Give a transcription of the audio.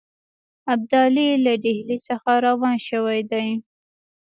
ابدالي له ډهلي څخه روان شوی دی.